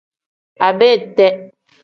Abeti.